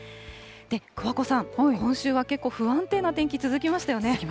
桑子さん、今週は結構、不安定な天気、続きましたよね。